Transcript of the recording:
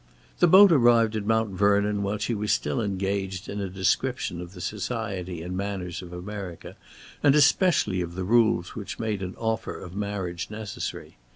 The boat arrived at Mount Vernon while she was still engaged in a description of the society and manners of America, and especially of the rules which made an offer of marriage necessary.